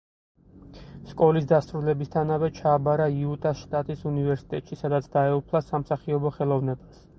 სკოლის დასრულებისთანავე ჩააბარა იუტას შტატის უნივერისტეტში, სადაც დაეუფლა სამსახიობო ხელოვნებას.